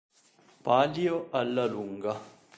Palio alla lunga